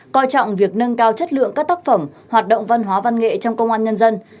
coi trọng việc nâng cao chất lượng các tác phẩm hoạt động văn hóa văn nghệ trong công an nhân dân